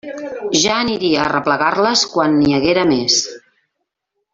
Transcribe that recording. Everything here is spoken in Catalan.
Ja aniria a arreplegar-les quan n'hi haguera més.